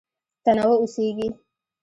تنوع اوسېږي.